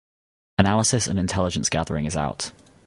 Analysis and intelligence gathering is out.